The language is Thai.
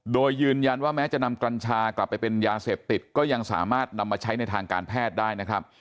โดยยืนยันว่าแม้จะนำกัญชากลับไปเป็นยาเสพติดก็ยังสามารถนำมาใช้ในทางการแพทย์ได้นะครับ